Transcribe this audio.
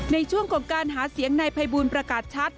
ในช่วงของการหาเสียงนายภัยบูลประกาศชัด